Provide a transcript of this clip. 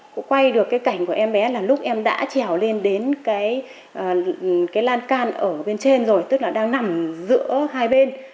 cũng quay được cái cảnh của em bé là lúc em đã trèo lên đến cái lan can ở bên trên rồi tức là đang nằm giữa hai bên